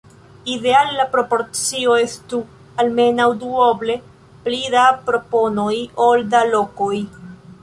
Ideale la proporcio estu almenaŭ duoble pli da proponoj ol da lokoj.